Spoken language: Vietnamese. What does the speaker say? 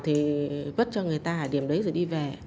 thì vất cho người ta ở điểm đấy rồi đi về